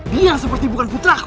dia seperti bukan putra ku